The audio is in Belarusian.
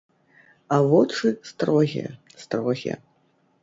А вочы строгія, строгія.